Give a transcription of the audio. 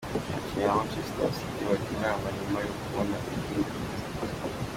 Abakinnyi ba Manchester City bajya inama nyuma yo kubona ibitego bitatu.